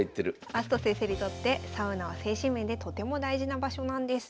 明日斗先生にとってサウナは精神面でとても大事な場所なんです。